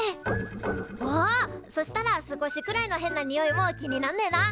あそしたら少しくらいの変なにおいも気になんねえな。